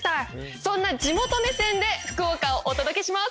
そんな地元目線で福岡をお届けします